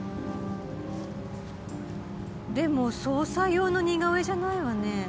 でも捜査用の似顔絵じゃないわね。